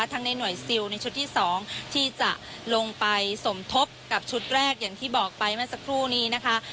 ในหน่วยซิลในชุดที่๒ที่จะลงไปสมทบกับชุดแรกอย่างที่บอกไปเมื่อสักครู่นี้นะคะ